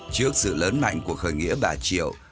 trước sự lớn mạnh của khởi nghĩa bà triệu